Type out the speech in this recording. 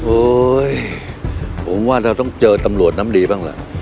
โอ๊ยผมว่าเราต้องเจอตำรวจน้ำดีบ้างล่ะ